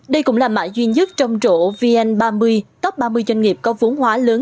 đây cũng là mạng duy nhất trong rổ vn ba mươi tốc ba mươi doanh nghiệp có vốn hóa lớn